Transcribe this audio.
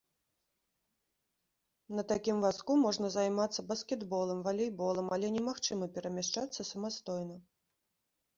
На такім вазку можна займацца баскетболам, валейболам, але немагчыма перамяшчацца самастойна.